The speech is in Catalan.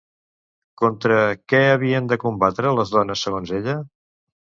Contra què havien de combatre les dones, segons ella?